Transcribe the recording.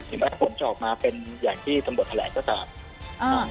ถึงว่าผลจะออกมาเป็นอย่างที่สมบทแหลกก็ตาม